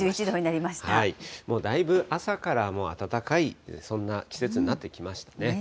もうだいぶ朝から暖かい、そんな季節になってきましたね。